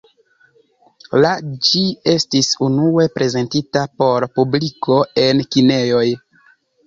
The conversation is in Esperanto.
La ĝi estis unue prezentita por publiko en kinejoj.